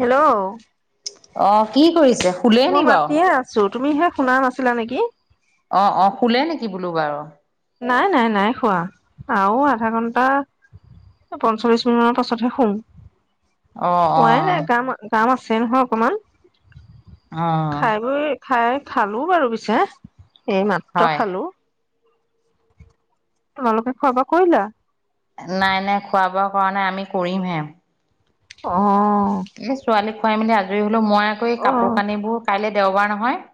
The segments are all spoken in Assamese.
হেল্ল'? অ কি কৰিছে, শুলে নি বাৰু? চ তুমি হে শুনা নাছিলা নেকি? অ অ শুলে নেকি বোলো বাৰু? নাই নাই নাই শুৱা। আৰু আধা ঘণ্টা, পঞ্চল্লিশ মানৰ পাছতহে শুম। অ অ শুৱাই নাই। কাম কাম আছে নহয় অকমান অ খাই বৈ খাই খালো বাৰু পিছে এই মাত্ৰ হয় খালো। তোমালোকে খোৱা বোৱা কৰিলা? নাই নাই, খোৱা বোৱা কৰা নাই আমি কৰিমহে। অহ এই ছোৱালীক খুৱাই মেলি আজৰি হলো মই আকৌ এই অ কাপোৰ কানিবোৰ কাইলৈ দেওবাৰ নহয়।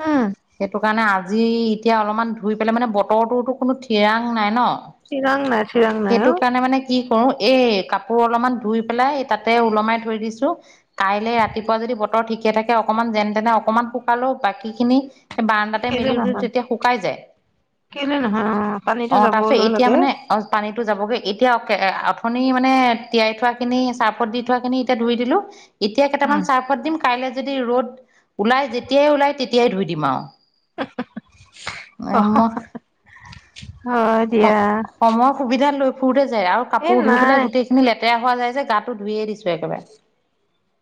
উম। সেইটো কাৰণে আজি এতিয়া অলপমান ধুই পেলাই মানে বতৰটোতো কোনো ঠিৰাং নাই ন। চিৰাং নাই চিৰাং নাই অ সেইটো কাৰণে মানে কি কৰো এই কাপোৰ অলপমান ধুই পেলাই তাতে ওলমাই থৈ দিছো। কাইলে ৰাতিপুৱা যদি বতৰ ঠিকে থাকে অকমান যেনে তেনে অকমান শুকালো বাকী খিনি বাৰাণ্ডাতে কেলে মেলিলে নহয় তেতিয়া শুকাই যায়। কেলে নহয় অ পানীতো অ তাৰপিছত যাবলৈ এতিয়া লাগে মানে। অ পানীটো যাবগে এতিয়া অ অথনি মানে তিয়াই থোৱা খিনি চাৰ্ফত দি থোৱাখিনি এতিয়া ধুই দিলো। এতিয়া কেইটামান উম চাৰ্ফত দিম কাইলৈ যদি ৰ'দ ওলাই যেতিয়াই ওলাই তেতিয়াই ধুই দিম আৰু। [unintelligible] হয় দিয়া। সময় সুবিধা লৈ ফুঁৰোতে যায় আৰু এ কাপোৰ ধুই নাই পেলাই গোটেইখিনি লেতেৰা হোৱা যায় যে গাটো ধুইয়ে দিছো একেবাৰে।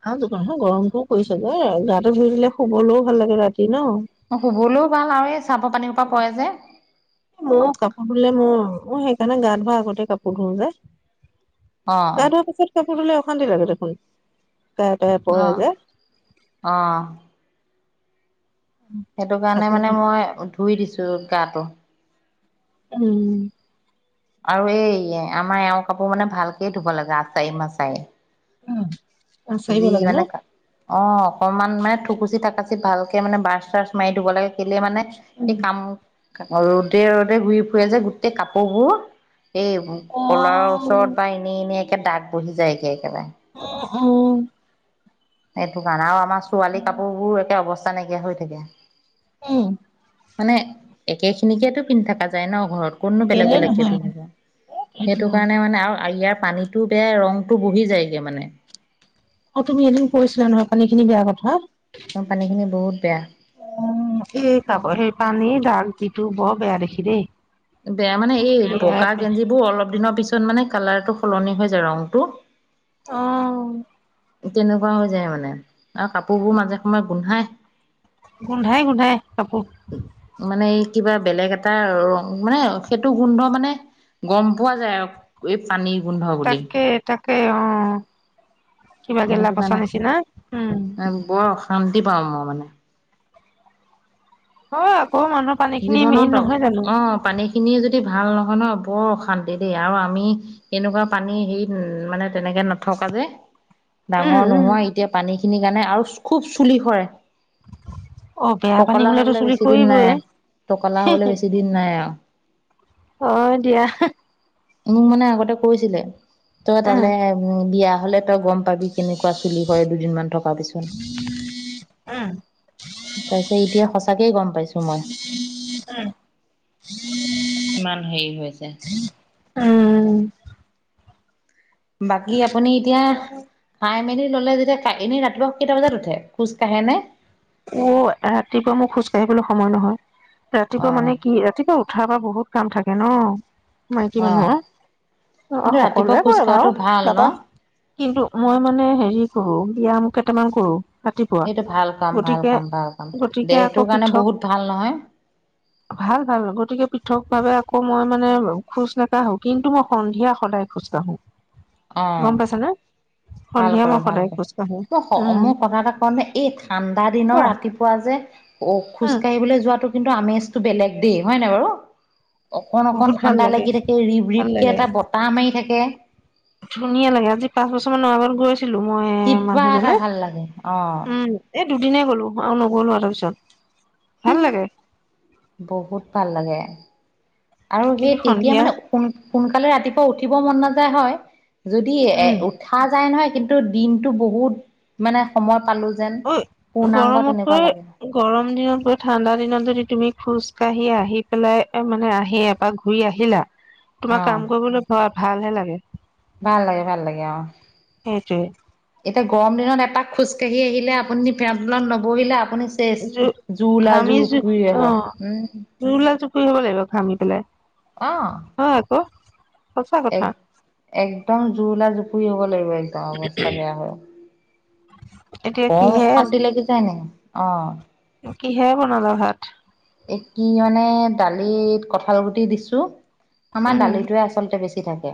আৰু যিমানহে গৰমটোও পৰিছে যে, গাটো ধুই দিলে শুবলৈও ভাল লাগে ৰাতি ন। অ শুবলৈও ভাল আৰু এই চাৰ্টৰ পানীহোপা পৰে যে। মই কাপোৰ ধুলে মই, মই সেইকাৰণে গা ধোৱাৰ আগতে কাপোৰ ধোও যে অ গা ধোৱাৰ পাছত কাপোৰ ধুলে অশান্তি লাগে দেখোন গায়ে তায়ে পৰে যে। অঁহ। সেইটো কাৰণে আকৌ মানে মই ধুই দিছো গাটো। উম। আৰু এই আমাৰ এওঁৰ কাপোৰ মানে ভালকে ধুব লাগে আচাৰি মাচাৰি। উম যি মানে অ অকমান মানে থুকুচি থাকাচি ভালকে মানে ব্ৰাছ চ্ৰাছ মাৰি ধুব লাগে। কেলে মানে সেই কাম ৰ'দে ৰ'দে ঘূৰি ফুৰে যে গোটেই কাপোৰবোৰ এই কলাৰৰ ওচৰত বা এনেই এনেই একে দাগ বহি যায়গে একেবাৰে। অ অ। সেইটো কাৰণে আৰু আমাৰ ছোৱালী কাপোৰবোৰ একে অৱস্থা নাইকিয়া হৈ থাকে। উম মানে একে খিনিকেতো পিন্ধি থাকা যায় ন ঘৰত। কতনো বেলেগ বেলেগকে পিন্ধিব, সেইটো কাৰণে মানে আৰু ইয়াৰ পানী টো বেয়া ৰংটো বহি যায়গে মানে। অ তুমি এদিন কৈছিলা নহয় পানীখিনি বেয়া কথা। আমাৰ পানীখিনি বহুত বেয়া। অঁ, এই সেই পানী দাগ যিটো বৰ বেয়া দেখে দেই। বেয়া মানে এই বিৰাট বগা গেঞ্জিবোৰ অলপ দিনৰ পিছত মানে কালাৰটো সলনি হৈ যায় ৰংটো। অ, তেনেকুৱা হৈ যায় মানে, আৰু কাপোৰবোৰ মাজে সময়ে গোন্ধায়। গোন্ধায়, গোন্ধায়, কাপোৰ মানে কিবা বেলেগ এটা ৰং মানে, সেইটো গোন্ধ মানে গম পোৱা যায়। অ, এই পানী গোন্ধ। বুলি। তাকে, তাকে অ, কিবা গেলা, পচা নিছিনা উম, [inaudible] শান্তি পাওঁ, মই মানে। হয়, আকৌ মানুহৰ পানী খিনি জীৱনত মেইন নহয় জানো। অ, পানী খিনিয়ে যদি ভাল নহয় ন, বৰ অশান্তি দেই আৰু আমি এনেকুৱা পানী হেৰিত, মানে তেনেকে নথকা যে। উম ডাঙৰ উম নোহোৱা এতিয়া পানী খিনিৰ কাৰণে আৰু খুব চুলি সৰে। অ বেয়া পানী টকলা হলেতো হ'বলে চুলি বেছি দিন সৰিবই। নাই, টকলা হ'বলে বেছি দিন নাই আৰু। হয়, দিয়া। মোক মানে আগতে কৈছিলে, তই উম তালে উম, বিয়া হ'লে। তই গম পাবি, কেনেকুৱা চুলি সৰে, দুদিন মান থকা পিছত। উম তাৰ পিছত এতিয়া সঁচাকৈ গম পাইছোঁ। [inaudible] কিমান হেৰি হৈছে। উম, বাকী আপুনি এতিয়া, খাই খাই মেলি ল'লে যেতিয়া, এনে ৰাতিপুৱা কেইটা বজাত উঠে, খোজ কাঢ়ে নে? অ, ৰাতিপুৱা মোৰ খোজ কাঢ়িবলৈ সময় নহয়, ৰাতিপুৱা অ', মানে কি ৰাতিপুৱা উঠাৰ পৰা বহুত কাম থাকে ন, মাইকী অ', মানুহৰ অ, কিন্তু ৰাতিপুৱা সকলোৱে খোজ কৰে বাৰু কঢ়াটো ভাল ন? তাপা কিন্তু মই মানে হেৰি কৰো, বিয়াম কেইটামান কৰো। ৰাতিপুৱা এইটো ভাল কাম, ভাল গতিকে কাম, ভাল কাম, গতিকে আকৌ দেহটোৰ কাৰণে পৃথক বহুত ভাল নহয়। ভাল, গতিকে পৃথক ভাৱে আকৌ মই মানে, খোজ নাকাঢ়ো কিন্তু মই সন্ধিয়া সদায় খোজকাঢ়ো, অ'। গম পাইছা নে। ভাল সন্ধিয়া কৰে, মই ভাল সদায় কৰে, খোজ কাঢ়ো। মই উম, মোৰ কথা এটা কওঁ দেই, এই ঠাণ্ডা দিনৰ কোৱা ৰাতিপুৱা যে, খোজ উম, কাঢ়িবলৈ যোৱাতো কিন্তু আমেজটো বেলেগ দেই হয়, নে বাৰু। অকণ, অকণ বহুত ভাল ঠাণ্ডা লাগে, লাগি থাকে, ৰিব- ভাল ৰিবকে লাগে, এটা বতাহ মাৰি থাকে। ধুনীয়া লাগে, আজি পাঁচ বছৰ মানৰ আগত গৈছিলো মই কিবা এটা মানুহজনে। ভাল লাগে অ উম, এই দুদিনে গ'লো আৰু নগলোঁ আৰু তাৰ পিছত ভাল লাগে। বহুত ভাল লাগে। আৰু সেই কিন্তু তেতিয়া সন্ধিয়া মানে সোন-সোনকালে ৰাতিপুৱা উঠিব মন নাযায় হয়, যদি এ উম, উঠা যায় নহয়, কিন্তু দিনটো বহুত মানে সময় পালো যেন, ঐ পূৰ্ণাংগ গৰমতকৈ তেনেকুৱা লাগে। গৰম দিনত কৈ ঠাণ্ডা দিনত যদি তুমি খোজ কাঢ়ি আহি পেলাই মানে আহি, এপাক ঘূৰি আহিলা। [inaudible] তোমাৰ কাম কৰিবলৈ ভ- ভাল হে লাগে। ভাল লাগে, ভাল লগে, অ, সেইটোৱে। এতিয়া গৰম দিনত এপাক খোজকাঢ়ি আহিলে, আপুনি ফেনৰ তলত নবহিলে আপুনি চেচ জু জুৰোলা জুৰ পুৰি আহে উম'। জুৰোলা জুপুৰি হ'ব লাগিব ঘামি পেলাই। অ হয় আক এক একদম জুৰোলা জুপুৰি হব লাগিব একদম অৱস্থা বেয়া হয় এতিয়া কম কিহে অশান্তি লাগি যায় নেকি অ' বাকী কিহেৰে বনালা ভাত। এ কি মানে দালিত কঁঠাল গুটি দিছোঁ। আমাৰ উম দালিটোৱে আচলতে বেছি থাকে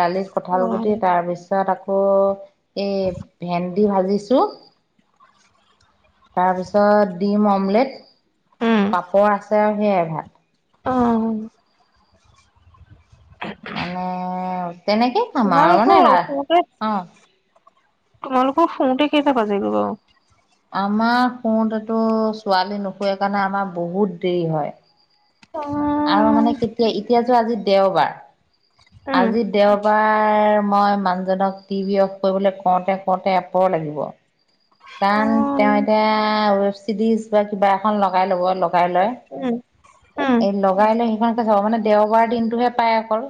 দালিত কঠাল গুটি তাৰপিছত তাৰপিছত আকৌ এই ভেন্দি ভাজিছোঁ। তাৰপিছত দিম অমলেট। উম পাপৰ আছে সেয়াই ভাত অ মানে তেনেকেই খাম আৰু মানে তোমালোকৰ ৰা শুৱতে অ তোমালোকৰ শুৱতে কেইটা বাজে গৈ বাৰু আমাৰ শুৱতেটো ছোৱালী নুশুৱে কাৰণে আমাৰ বহুত দেৰি হয়। অ আৰু মানে কেতিয়া এতিয়া চোৱা আজি দেওবাৰ আজি দেওবাৰ এবাৰ মই মানুহজনক টিভি অফ কৰিবলৈ কওঁতে কওঁতে এপৰ লাগিব কাৰণ উম তেওঁ এতিয়া ৱেব চিৰিজ বা কিবা এখন লগাই ল'বই লব লগাই লয় উম এই লগাই লৈ সেইখনকে চাব মানে দেওবাৰ দিনটোহে পায় অকল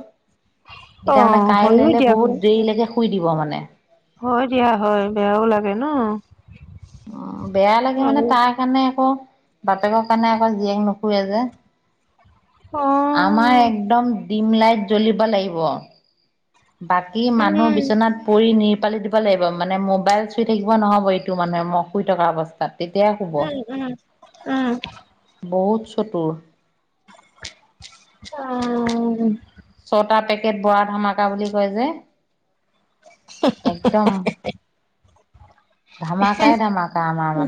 অ এতিয়া মানে হয়ো কাইলৈলে বহুত দিয়াচোন দেৰিলৈকে শুই দিব মানে হয় দিয়া হয় বেয়াও লাগে ন অ বেয়া লাগে মানে আৰু তাৰ কাৰণে আকৌ বাপেকৰ কাৰণে আকৌ জীয়েক নুশুৱে যে [unintelligible] আমাৰ একদম ডিম লাইট জ্বলিব লাগিব। বাকী উম মানুহ উম বিচনাত পৰি নিৰপালি দিব লাগিব মানে মোবাইল চুই থাকিব নহ'ব এইটো মানুহে মই শুই থকা অৱস্থাত। তেতিয়া শুব উম উম বহুত চতুৰ অহ ছটা পেকেট বৰা ধামাকা বুলি কয় যে একদম ধামাকাই ধামাক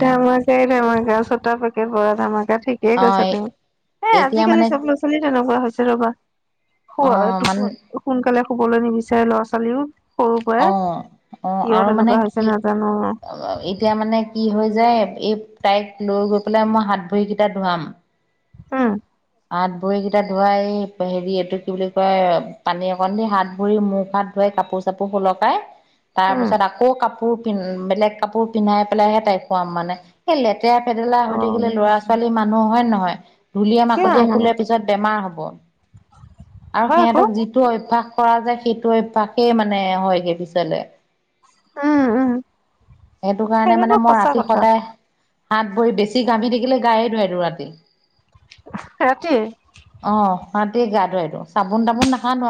ধামাকাই ধামাকা ছটা পেকেট বৰা ধামাকা ঠিক ঠিকে অ কৈছা তুমি এ এতিয়া আজিকালি মানে চব ল'ৰা ছোৱালী তেনেকুৱা হৈছে ৰবা অ শুৱ মানে টোপ সোনকালে শুবলৈ নিবিচাৰে ল'ৰা ছোৱালী বোৰ সৰু অ পৰাই কিয় আৰু মানে তেনেকুৱা হৈছে কি নাজানো আৰু অ এতিয়া মানে কি হৈ যায় এই তাইক লৈ গৈ পেলাই মই হাত ভৰিকেইটা ধোৱাম হম হাত ভৰি কেইটা ধোৱাই হেৰি এইটো কি বুলি কয় পানী অকণ দি হাত ভৰি মুখ হাত ধোৱাই কাপোৰ কাপোৰ সলকাই তাৰ উম পিছত আকৌ কাপোৰ পিন বেলেগ কাপোৰ পিন্ধাই পেলাইহে তাইক শুৱাম মানে সেই লে লেতেৰা ফেদেলা হৈ অ থাকিলে ল'ৰা ছোৱালী মানুহ হয় নহয় ধূলিয়ে কিয় মাকতিয়ে শুলে পিছত পিছত বেমাৰ হব আৰু হয় আকৌ সিহঁতক যি টো অভ্যাস কৰা যায় সেইটো অভ্যাসেই মানে হয়গে পিছলে। উম উম এইটো কাৰণে সেইটোতো মানে মই সঁচা ৰাতি কথা সদায় হাত ভৰি, বেছি ঘামি থাকিলে গায়েই ধুৱাই দিওঁ ৰাতি। ৰাতি? অ' ৰাতি গা ধুৱাই দিওঁ, চাবোন তাবোন নাখানো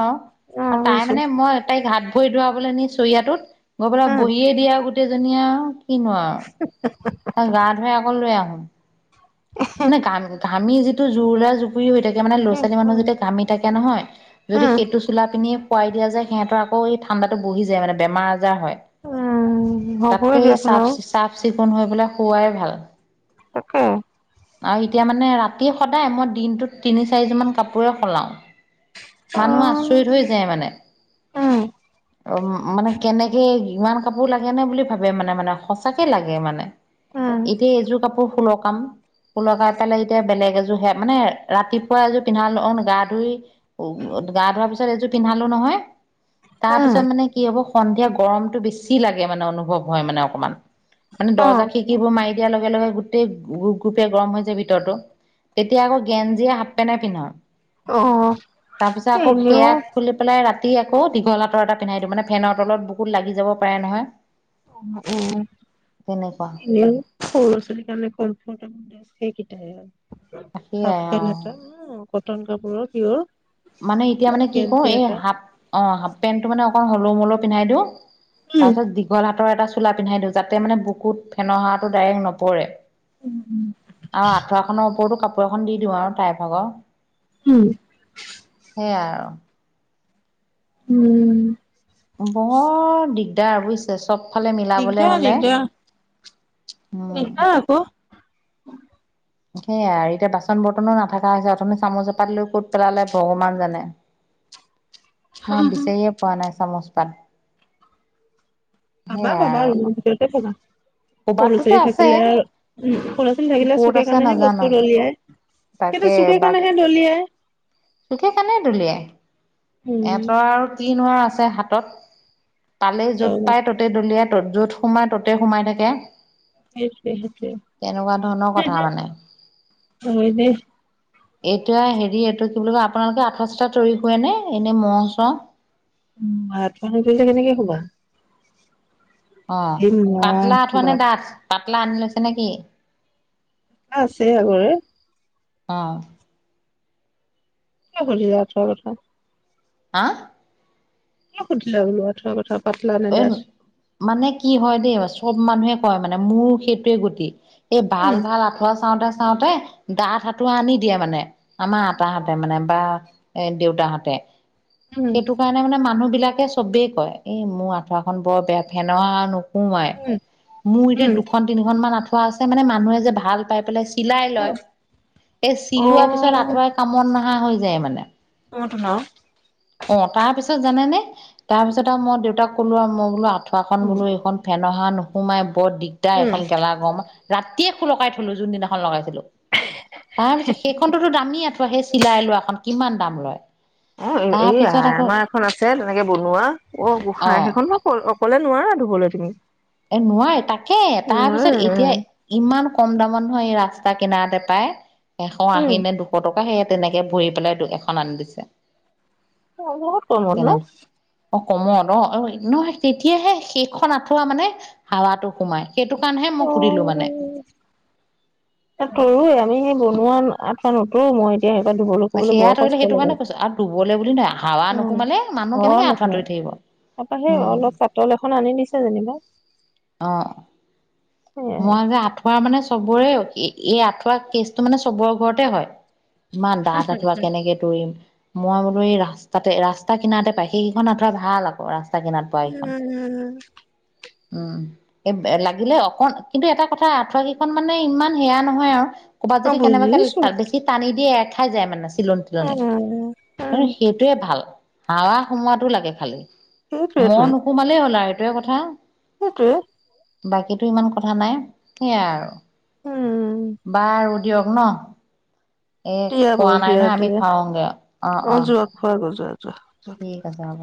অ আৰু। তাই বুজিছো মানে মই তাইক হাত ভৰি ধোৱাবলে নি চৰিয়াটোত গৈ পেলাই উম বহিয়ে দিয়ে আৰু গোটেইজনীয়ে আৰু কিনো আৰু। [inaudible] তাইক গা ধুৱাই আকৌ লৈ আহোঁ। মানে ঘামি যিটো জুৰুলা জুপুৰি হৈ থাকে মানে ল'ৰা উম ছোৱালী মানুহ উম যেতিয়া ঘামি থাকে নহয় যদি উম সেইটো চোলা পিনিয়ে শুৱাই দিয়া যায় সিহঁতৰ আকৌ এই ঠাণ্ডাটো বহি যায় মানে বেমাৰ আজাৰ হয়। উম হ'বই তাতকে দিয়াচোন চাফ আৰু চাফ চিকুণ হৈ পেলাই শুৱাই ভাল। তাকে। আৰু এতিয়া মানে ৰাতি সদায়, মই দিনটোত তিনি চাৰিযোৰমান কাপোৰে সলাওঁ। অ মানুহ আচৰিত হৈ যায় মানে। উম মানে কেনেকে ইমান কাপোৰ লাগেনে বুলি ভাবে। মানে মানে সঁচাকে লাগে মানে। উম এতিয়া এইযোৰ কাপোৰ সোলৰ কাম। শুলোকাই পেলাই এতিয়া বেলেগ এযোৰে হেয়া মানে ৰাতিপুৱা এযোৰ পিন্ধালোঁ অ' গা ধুই গা ধোৱাৰ পিছত এইযোৰ পিন্ধালো নহয় উম তাৰপিছত মানে কি হ'ব সন্ধিয়া গৰমটো বেছি লাগে মানে অনুভৱ হয় মানে অকমান, মানে অ দৰ্জা খিৰ এইবোৰ মাৰি দিয়াৰ লগে লগে গোটেই গোপ গোপে গৰম হৈ যায় ভিতৰটো। এতিয়া আকৌ গেঞ্জিয়ে, হাপ পেনে পিন্ধাওঁ। অ'। তাৰপিছত আকৌ এনেও সেয়া খুলি পেলাই ৰাতি আকৌ দীঘল আঁতৰ এটা পিন্ধাই দিওঁ, মানে ফেনৰ তলত বহুত লাগি যাব পাৰে নহয়। [unintelligible] তেনেকুৱা সৰু ল'ৰা ছোৱালীৰ কাৰণে কমফৰ্টে [unintelligible] সেইকেইটাই, হাফ সেয়াই অ পেণ্ট এটা। অ' কটন কাপোৰৰ পিয়ৰ। মানে এতিয়া মানে কি কওঁ গেঞ্জি এই এটা হাফ অ' হাফ পেণ্টটো মানে অকণ হলোও হলোও পিন্ধাই দিওঁ। উম তাৰপিছত দীঘল হাতৰ এটা চোলা পিন্ধাই দিওঁ যাতে মানে বুকুত ফেনৰ হাৱাটো ডাইৰেক্ট নপৰে। [inaudible] আৰু আঠুৱাখনৰ ওপৰতো কাপোৰ এখন দি দিওঁ আৰু তাই ভাগৰ। উম। সেয়া আৰু। উম বৰ দিগদাৰ বুজিছে। চবফালে মিলাবলে দিগদাৰ হ'লে, দিগদাৰ উম। দিগদাৰ আকৌ সেয়া আৰু এতিয়া বাচন বৰ্তনো নাথাকা হৈছে, অথনি চামুচ এপাত লৈ ক'ত পেলালে ভগৱান জানে। মই বিচাৰিয়ে পোৱা নাই চামুচ পাত। পাব সেইয়াই পাবা, আৰু ৰুমৰ ভিতৰতে পাবা। সৰু ক'বাতোতো ছোৱালী আছে থাকিলে উ, স'ৰা ছোৱালী থাকিলে ক'ত চুকে আছে কোণেহে নাজানো বস্তু দলিয়াই। কিন্তু তাকে চুকে বাক কোনেহে দলিয়াই। চুকে কানে দুলিয়াই। উম এহঁতৰ আৰু কি নোৱাৰ আছে হাতত, পালেই য'ত পাই ত'ত ত'তে দলিয়া ত'ত, য'ত সোমাই ত'তে সোমাই থাকে। সেইটোৱে সেইটোৱে তেনেকুৱা ধৰণৰ কথা মানে। হয় দেই এতিয়া হেৰি এইটো কি বুলি কয়, আপোনালোকে আঠুৱা চতুৱা তৰি শুৱানিনি এনে মহ চহ উম আঠুৱা নতৰাকি কেনেকে সোবা। অ', মহ পাতলা আঠোৱা নে বাপ ডাঠ পাতলা আনি লৈছে নে কি? আছে আগৰে। অ'। কিয় সুধিলি আঁঠুৱাৰ কথা। আ কিয় সুধিলা বোলোৱা আঠুৱাৰ কথা পাতলা নে এই দাঠ। মানে কি হয় দেই চব মানুহে কয় মানে মোৰ সেইটোৱে গতি। এ ভাল উম ভাল আঠুৱা চাওঁতে চাওঁতে দাঠ আতুৱা আনি দিয়ে মানে আমাৰ আতাহঁতে মানে বা এ দেউতাহতে উম সেইটো কাৰণে মানে মানুহ বিলাকে চবেই কয় এই মোৰ আঠুৱাখন বৰ বেয়া ফেনৰ হাৱা উম মোৰ এতিয়া উম দুখন, তিনিখন মান আঁঠুৱা আছে মানে মানুহে যে ভাল পাই পেলাই চিলাই উম লয় এই অ', চিলোৱা পিছত আঁঠুৱাই কামত নহা হৈ যায় মানে। মট ন [unintelligible] অ', তাৰ পিছত জানে নে তাৰ পিছত আৰু মই দেউতাক কলো আৰু মই বোলো আ আঠুৱাখন বোলো এইখন ফেন হাৱা নোসোমাই বৰ দিগদাৰ উম, এখন গেলা গৰম ৰাতিয়ে খোুলকাই থলো যোনদিনাখন লগাইছিলো তাৰ পিছত সেই খনতোতো দামীআঠুৱা সেই চিলাই লোৱাখনন কিমান দাম লয় অ', এই আ তাৰপিছত আকৌ আমাৰ এখন আছে তেনেকে বনোৱা অ', গোঁসাই অ সেইখন ম ই অকলে নোৱাৰা ধুবলৈ তুমি এ নোৱাৰ তাকে তাৰপিছত এতিয়া নোৱাৰা ইমান কম দামত নহয় এই ৰাস্তা কিনাৰতে পায় এশ উম, আশী নে দু পটকা সেয়ে তেনেকে ভৰি পেলাই এখন আনি দিছে। অ', বহুত কমত ন। তেনেক অ', কমত অ', অ', নহয় তেতিয়াহে সেইখন আঠুৱা মানে হাৱাটো সোমাই। সেইটো কাৰণেহে মই সুধিলোঁ মানে। এ তৰোৱে আমি সেই বনোৱা আঠুৱা নতৰো মই এতিয়া সেই ধুবলৈ শুবলৈ বৰ কষ্ট লাগে। শুবলে বুলি নহয় হাৱা উম, নোসোমালে মানুহ ঘৰৰ কেনেকে আঁঠুৱা নিচিনা তৰি থাকিব তাৰপা সেই উম। অলপ পাতল এখন আনি দিছে যেনিবা। অ'। সেয়াহে। মই যে আঁঠুৱা মানে চবৰে এই আঠুৱা কেচটো মানে চবৰে ঘৰতে হয়। ইমান ডাঠ আঁঠুৱা কেনেকে ম মই বোলো এই ৰাস্তাতে ৰাস্তা কিনাৰতে পাই সেইকেইখন আঁঠুৱা ভাল আকৌ ৰাস্তা চাগিন [unintelligible] আঁঠুৱা কেখন উম, উম এই লাগিলে অকণ কিন্তু এটা কথা আঠুৱা কেইখন মানে ইমান সেয়া নহয় আৰু ক'ৰবাত যদি অ', কেনেবাকে বুজিছো তাত বেছি টানি দিয়ে এৰ খাই যায় মানে চিলন তিলনি উম, আৰু উম, সেই এইটোৱে ভাল হাৱা সোমোৱাটো লাগে খালি মহ সেইটোৱেতো নোসোমালেই হ'ল আৰু এইটোৱে কথা। সেইটোৱে। বাকীটো ইমান কথা নাই। সেয়াই আৰু উম, বাৰু দিয়ক ন। এ দিয়া খোৱা বাৰু নাই নহয় আমি খাওঁগে অ', অ'। হয় গ'ল যোৱা, যোৱা। ঠিক আছে হ'ব।